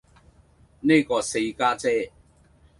呢個四家姐